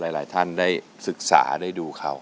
หลายท่านได้ศึกษาได้ดูเขา